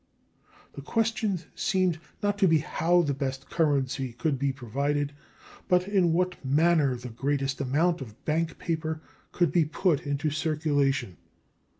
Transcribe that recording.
The question seemed to be not how the best currency could be provided, but in what manner the greatest amount of bank paper could be put in circulation.